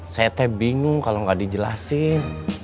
saya bingung kalau gak dijelasin